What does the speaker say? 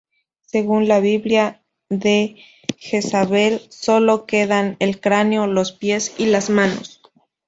Según la biblia, de Jezabel solo quedan el cráneo, los pies y las manos.